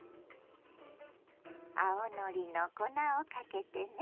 青のりの粉をかけてね。